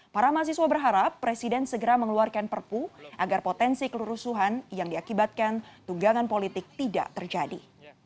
para mahasiswa berharap presiden segera mengeluarkan perpu agar potensi kelurusuhan yang diakibatkan tunggangan politik tidak terjadi